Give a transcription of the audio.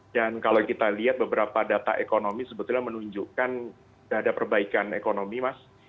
dan kalau kita lihat beberapa data ekonomi sebetulnya menunjukkan ada perbaikan ekonomi mas